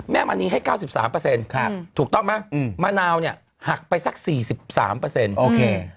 มณีให้๙๓ถูกต้องไหมมะนาวเนี่ยหักไปสัก๔๓โอเค